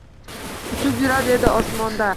Uchib yurar edi osmonda